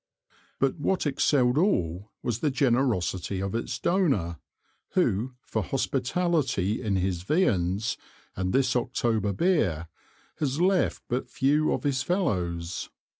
But what excell'd all was the generosity of its Donor, who for Hospitality in his Viands and this October Beer, has left but few of his Fellows.